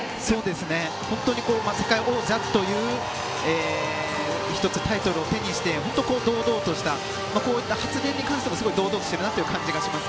本当に世界王者というタイトルを手にして堂々とした発言に関しても堂々としている感じがします。